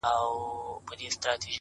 حقیقت واوره تر تا دي سم قربانه,